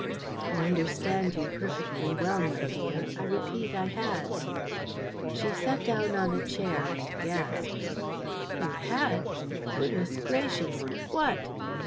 "I understand you perfectly well, my dear. I repeat, I had." She sat down on a chair and gasped. "You had! Goodness gracious! What?"